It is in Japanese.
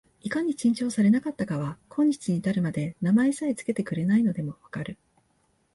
いかに珍重されなかったかは、今日に至るまで名前さえつけてくれないのでも分かる